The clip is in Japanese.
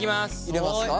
入れますか。